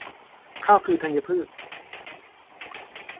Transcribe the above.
ข้าวคือธัญพืช